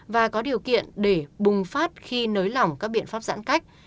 và có điều kiện để bùng phát khi nới lỏng các biện pháp giãn cách